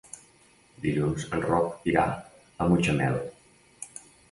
Dilluns en Roc irà a Mutxamel.